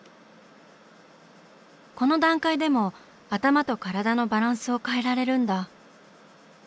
この段階でも頭と体のバランスを変えられるんだ。